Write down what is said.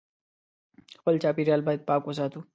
خپل چاپېریال باید پاک وساتو